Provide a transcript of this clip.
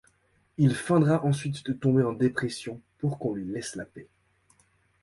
Il feindra ensuite de tomber en dépression pour qu'on lui laisse la paix.